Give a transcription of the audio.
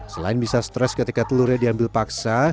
selain bisa stres ketika telurnya diambil paksa